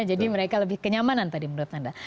jadi mereka lebih kenyamanan tadi menurut anda